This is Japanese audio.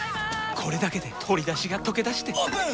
これだけで鶏だしがとけだしてオープン！